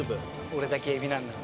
俺だけエビなんだよ。